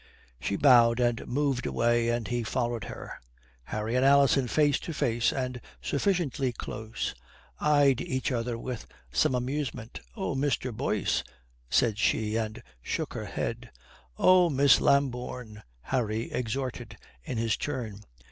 She bowed and moved away, and he followed her. Harry and Alison, face to face, and sufficiently close, eyed each other with some amusement. "Oh, Mr. Boyce," said she, and shook her head. "Oh, Miss Lambourne," Harry exhorted in his turn.